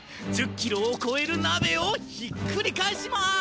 １０キロをこえるなべをひっくり返します！